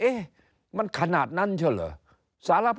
เอ๊ะมันขนาดนั้นใช่เหรอ